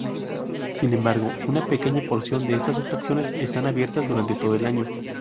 Sin embargo, una pequeña porción de estas atracciones están abiertas durante todo el año.